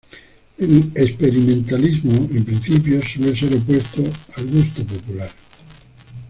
El experimentalismo, en principio, suele ser opuesto al gusto popular.